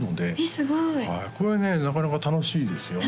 すごいこれねなかなか楽しいですよ